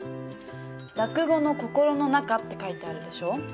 「落語の心の中」って書いてあるでしょ？